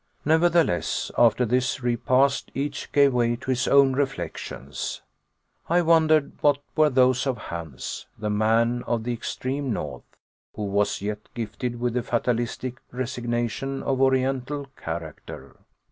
Nevertheless, after this repast each gave way to his own reflections. I wondered what were those of Hans the man of the extreme north, who was yet gifted with the fatalistic resignation of Oriental character.